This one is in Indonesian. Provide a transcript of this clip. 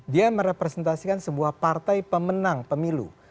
dia merepresentasikan sebuah partai pemenang pemilu